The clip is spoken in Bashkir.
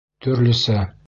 Төрлөсә.